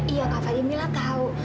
iya kak fadil mila tahu